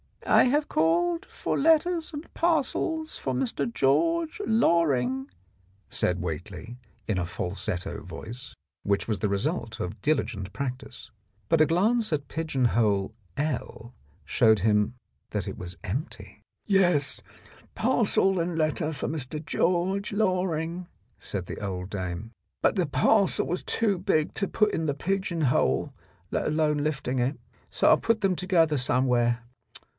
"I have called for letters and parcels for Mr. George Loring," said Whately in a falsetto voice, 49 The Blackmailer of Park Lane which was the result of diligent practice. But a glance at pigeon hole L showed him that it was empty. ... "Yes, parcel and letter for Mr. George Loring," said the old dame, "but the parcel was too big to put in the pigeon hole, let alone lifting it. So I put them together somewhere.